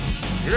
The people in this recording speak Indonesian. ini damet yuk